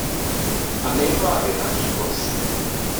Anem a Benafigos.